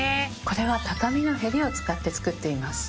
これは畳のへりを使って作っています。